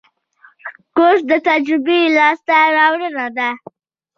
کورس د تجربې لاسته راوړنه ده.